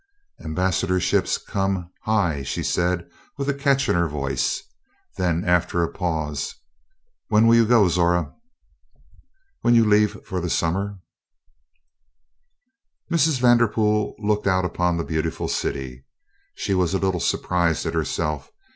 "Ambassadorships come high," she said with a catch in her voice. Then after a pause: "When will you go, Zora?" "When you leave for the summer." Mrs. Vanderpool looked out upon the beautiful city. She was a little surprised at herself.